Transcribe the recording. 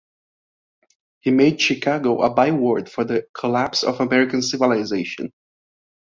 He made Chicago a byword for the collapse of American civilization.